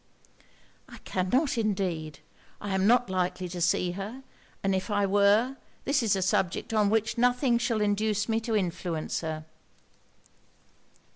'I cannot indeed. I am not likely to see her; and if I were, this is a subject on which nothing shall induce me to influence her.'